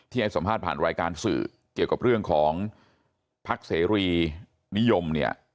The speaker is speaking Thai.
ให้สัมภาษณ์ผ่านรายการสื่อเกี่ยวกับเรื่องของพักเสรีนิยมเนี่ย